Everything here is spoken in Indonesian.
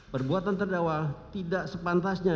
perbuatan terdakwa tidak sepantasnya